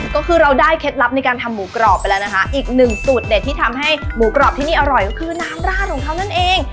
ก็คือเราได้เคล็ดลับในการทำหมูกรอบไปแล้วนะคะอีกหนึ่งสูตรเด็ดที่ทำให้หมูกรอบที่นี่อร่อยก็คือน้ำราดของเขานั่นเอง